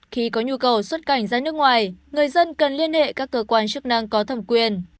khi có nhu cầu xuất cảnh ra nước ngoài người dân cần liên hệ các cơ quan chức năng có thẩm quyền